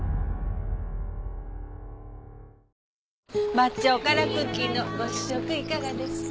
抹茶おからクッキーのご試食いかがですか？